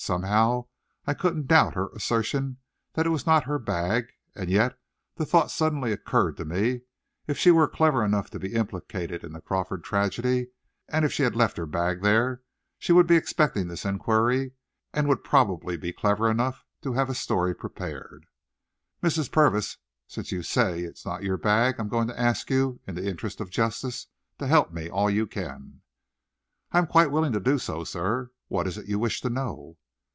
Somehow I couldn't doubt her assertion that it was not her bag, and yet the thought suddenly occurred to me if she were clever enough to be implicated in the Crawford tragedy, and if she had left her bag there, she would be expecting this inquiry, and would probably be clever enough to have a story prepared. "Mrs. Purvis, since you say it is not your bag, I'm going to ask you, in the interests of justice, to help me all you can." "I'm quite willing to do so, sir. What is it you wish to know?"